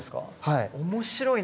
はい。